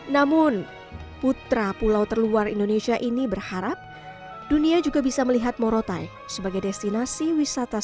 namun putra pulau terluar indonesia ini berharap dunia juga bisa melihat morotai sebagai destinasi wisata sejarah